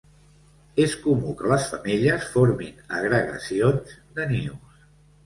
És comú que les femelles formin agregacions de nius.